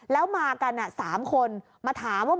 แล้วมากัน๓คนมาถามว่า